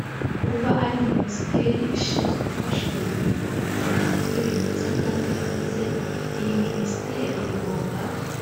Kuba ari Minisiteri ishinzwe gufasha Guverinoma kugera ku mikorere myiza kandi inoze iyi Minisiteri igomba